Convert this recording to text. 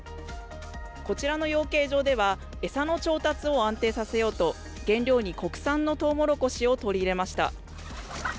こちらの養鶏場では、餌の調達を安定させようと、原料に国産のとうもろこしを取り入れました。